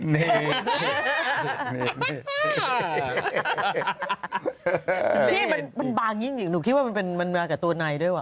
นี่มันบางยิ่งอีกหนูคิดว่ามันมากับตัวในด้วยว่